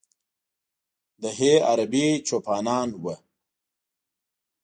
د ه عربي چوپانان و.